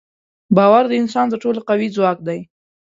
باور د انسان تر ټولو قوي ځواک دی.